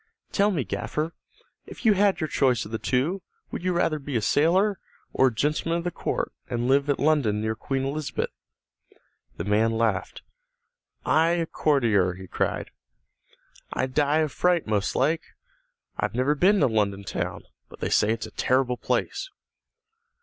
"Tell me, gaffer, if you had your choice of the two, would you rather be a sailor, or a gentleman of the court, and live at London, near Queen Elizabeth?" The man laughed. "I a courtier!" he cried. "I'd die of fright most like. I've never been to London town, but they say it's a terrible place!"